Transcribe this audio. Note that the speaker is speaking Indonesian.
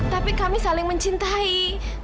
tapi kami saling mencintai